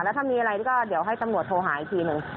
แล้วถ้ามีอะไรก็เดี๋ยวให้ตำรวจโทรหาอีกทีหนึ่ง